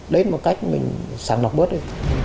đấy là một cách mình sáng lọc bớt đi